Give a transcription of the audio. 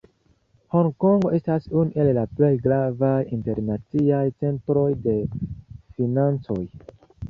Honkongo estas unu el la plej gravaj internaciaj centroj de financoj.